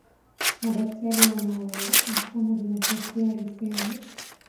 madaktari wanaounga mkono demokrasia walisema